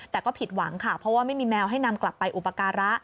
แต่ก็ผิดหวังค่ะเพราะว่าไม่มีแมวให้นำกลับไปอุปการะ